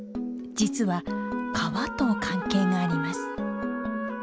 実は川と関係があります。